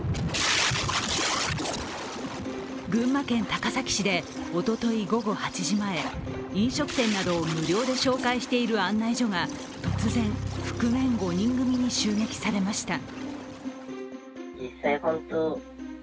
群馬県高崎市でおととい午後８時前飲食店などを無料で紹介している案内所が突然、覆面５人組に襲撃されました。